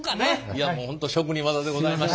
いやもう本当職人技でございました。